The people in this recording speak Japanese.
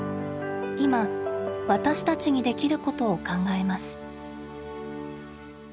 いま私たちにできることを考えます。